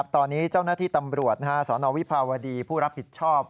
ตอนนี้เจ้าหน้าที่ตำรวจสนวิภาวดีผู้รับผิดชอบ